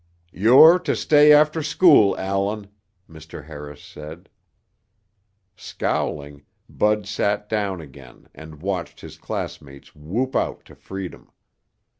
"You're to stay after school, Allan," Mr. Harris said. Scowling, Bud sat down again and watched his classmates whoop out to freedom.